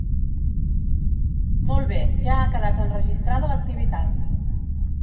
Molt bé, ja ha quedat enregistrada l'activitat.